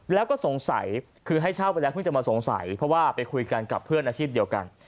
แล้วก็สงสัยคือให้เช่าไปแล้วเพิ่งจะมาสงสัยเพราะว่าไปคุยกันกับเพื่อนอาชีพเดียวกัน